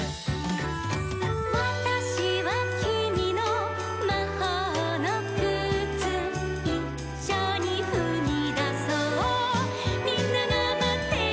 「『わたしはきみのまほうのくつ」「いっしょにふみだそうみんながまってるよ』」